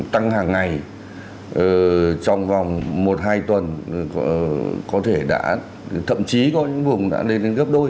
tăng hàng ngày trong vòng một hai tuần có thể đã thậm chí có những vùng đã lên đến gấp đôi